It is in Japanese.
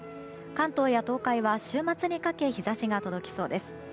関東や東海は週末にかけ日差しが届きそうです。